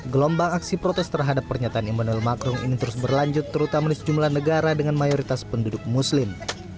gelombang aksi protes terhadap pernyataan immanuel macron ini terus berlanjut terutama di sejumlah negara dengan mayoritas penduduk muslim